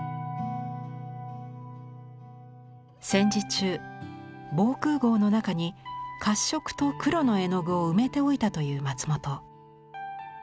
戦時中防空ごうの中に褐色と黒の絵の具を埋めておいたという松本。